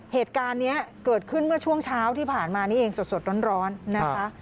เหตุการณ์นี้เกิดขึ้นเมื่อช่วงเช้าที่ผ่านมานี่เองสดร้อนนะคะ